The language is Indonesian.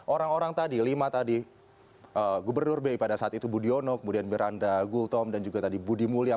orang orang tadi lima tadi gubernur bi pada saat itu budiono kemudian beranda gultom dan juga tadi budi mulya